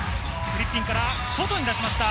フリッピンから外に出しました。